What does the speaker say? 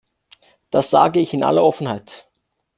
Das sage ich in aller Offenheit.